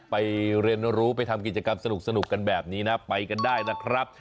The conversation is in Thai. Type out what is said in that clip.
ไปเรียนรู้ไปทำกิจกรรมสนุกกันแบบนี้นะไปกันได้นะครับ